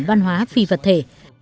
văn hóa phi vật thể